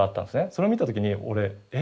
それを見た時に俺え？